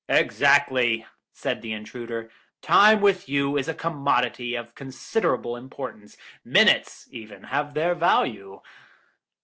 "Exactly," said the intruder; "time with you is a commodity of considerable importance. Minutes, even, have their value."